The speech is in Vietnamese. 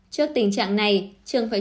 trước tình trạng này trường phải